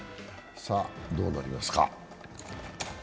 さぁ、どうなりますか。